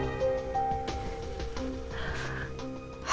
gak ada apa apa